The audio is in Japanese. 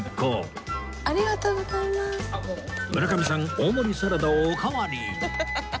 大盛りサラダをおかわり！